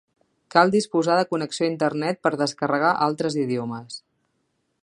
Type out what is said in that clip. Cal disposar de connexió a internet per descarregar altres idiomes.